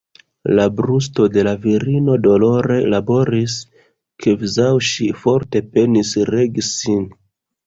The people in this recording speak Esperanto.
La brusto de la virino dolore laboris, kvazaŭ ŝi forte penis regi sin.